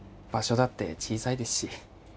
場所だって小さいですし。